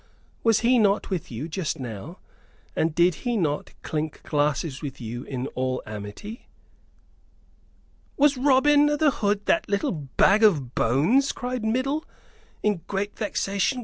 "Was he not with you just now? And did he not clink glasses with you in all amity?" "Was Robin o' th' Hood that little bag of bones?" cried Middle, in great vexation.